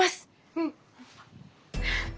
うん。